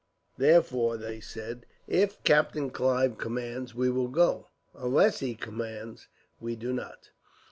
Therefore they said: "If Captain Clive commands, we will go unless he commands, we do not."